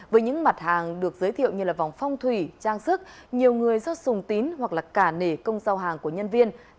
với những mặt hàng được giới thiệu như vòng phong thủy trang sức nhiều người do sùng tín hoặc là cả nể công giao hàng của nhân viên